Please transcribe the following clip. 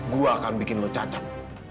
gua akan bikin lu cacat